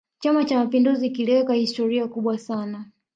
chama cha mapinduzi kiliweka historia kubwa sana